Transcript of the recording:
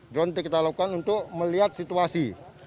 drone itu kita lakukan untuk melihat situasi